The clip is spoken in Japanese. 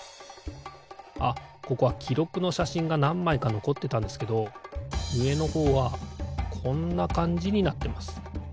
あここはきろくのしゃしんがなんまいかのこってたんですけどうえのほうはこんなかんじになってます。